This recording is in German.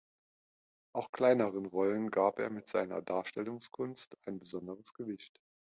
Auch kleineren Rollen gab er mit seiner Darstellungskunst ein besonderes Gewicht.